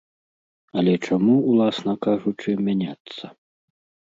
Але чаму, уласна кажучы, мяняцца?